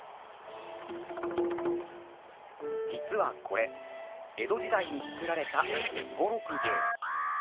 実はこれ江戸時代に作られた双六ゲーム。